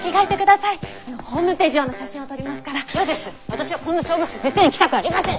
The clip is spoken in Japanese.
私はこんな勝負服絶対に着たくありません。